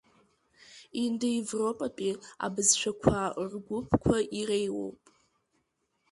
Индоевропатәи абызшәақәа ргәыԥқәа иреиуоуп…